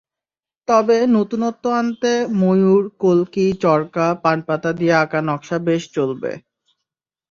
তবে নতুনত্ব আনতে ময়ূর, কলকি, চরকা, পানপাতা দিয়ে আঁকা নকশা বেশ চলবে।